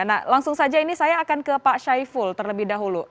nah langsung saja ini saya akan ke pak syaiful terlebih dahulu